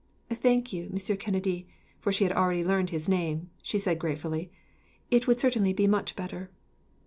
"Thank you, Monsieur Kennedy," for she had already learned his name she said gratefully, "it would certainly be much better."